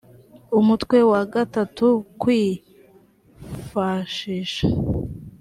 umutwe wa gatatu kwifashisha